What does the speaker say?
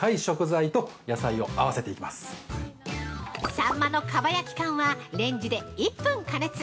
◆さんまの蒲焼缶はレンジで１分加熱。